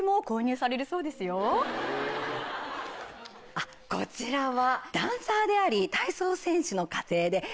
あっこちらは。